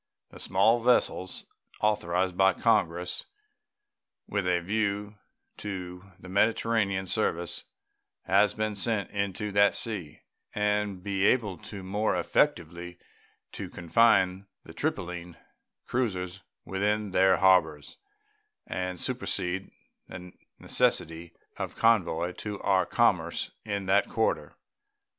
The small vessels authorized by Congress with a view to the Mediterranean service have been sent into that sea, and will be able more effectually to confine the Tripoline cruisers within their harbors and supersede the necessity of convoy to our commerce in that quarter.